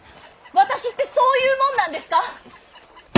私ってそういうもんなんですか。